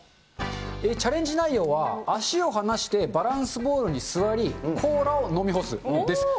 チャレンジ内容は、足を離してバランスボールに座り、コーラを飲み干すです。